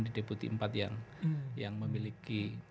di deputi empat yang memiliki